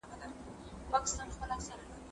زه کولای سم کالي وچوم!